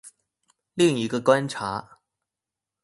另一個觀察